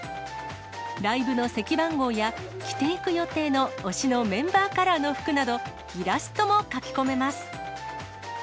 ライブの席番号や、着ていく予定の推しのメンバーカラーの服など、イラストも描き込めます。